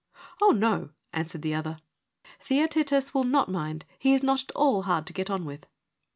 1 Oh, no,' answers the other. ' Theaetetus will not mind : he is not at all hard to get on with.'